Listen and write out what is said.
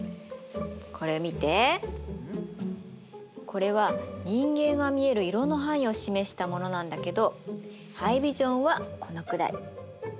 これは人間が見える色の範囲を示したものなんだけどハイビジョンはこのくらい。